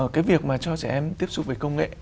cái việc mà cho trẻ em tiếp xúc với công nghệ